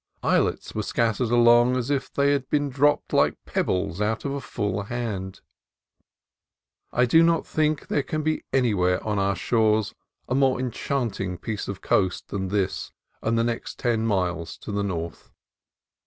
Islets were scattered along as if they had been dropped like pebbles out of a full hand. I do not think there can be anywhere on our shores a more enchanting piece of coast than this and the next ten miles to the north.